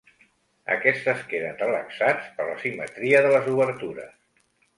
Aquestes queden relaxats per la simetria de les obertures.